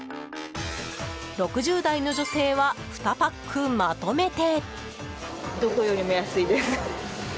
６０代の女性は２パックまとめて。